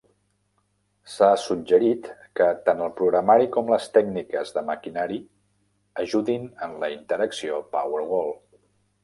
S"ha suggerit que tant el programari com les tècniques de maquinari ajudin en la interacció Powerwall.